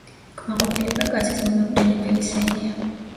კმაყოფილება კაცის მომაკვდინებელი სენია.